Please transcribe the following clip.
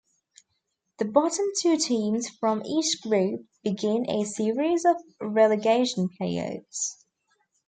The bottom two teams from each group begin a series of relegation playoffs.